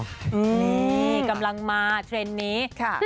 นี่กำลังมาเทรนด์นี้